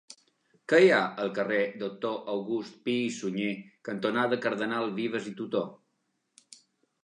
Què hi ha al carrer Doctor August Pi i Sunyer cantonada Cardenal Vives i Tutó?